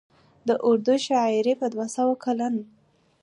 د اردو شاعرۍ په دوه سوه کلن